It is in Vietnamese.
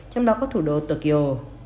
trong đó có thủ đô tokyo